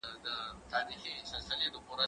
زه به اوږده موده کار کړی وم!؟